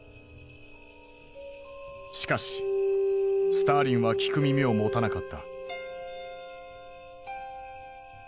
しかしスターリンは聞く耳を持たなかった。